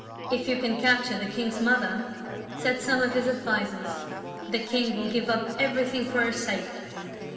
" If you can capture the king's mother," said some of his advisers, " the king will give up everything for her sake."